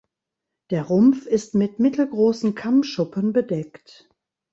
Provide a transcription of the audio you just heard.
Der Rumpf ist mit mittelgroßen Kammschuppen bedeckt.